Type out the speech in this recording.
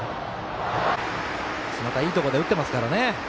また、いいところで打ってますからね。